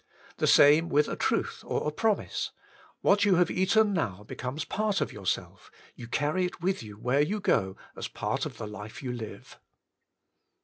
The same with a truth, or a promise; what you have eaten now 112 The Inner Chamber becomes part of yourself, you carry it with you where you go as part of the life you live.